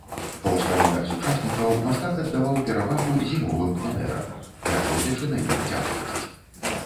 Па ўспамінах сучаснікаў мастак аддаваў перавагу зімовым пленэрам, не гледзячы на іх цяжкасць.